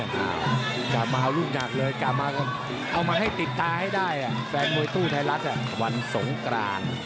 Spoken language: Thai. กลับมาเอาลูกหนักเลยกลับมาเอามาให้ติดตาให้ได้แฟนมวยตู้ไทยรัฐวันสงกราน